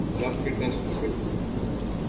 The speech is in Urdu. جب کہ ٹیسٹ کرکٹ